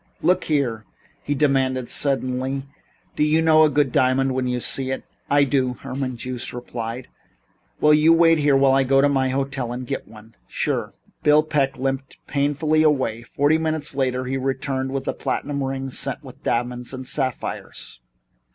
"Look here," he demanded suddenly, "do you know a good diamond when you see it?" "I do," Herman Joost replied. "Will you wait here until I go to my hotel and get one?" "Sure." Bill Peck limped painfully away. Forty minutes later he returned with a platinum ring set with diamonds and sapphires.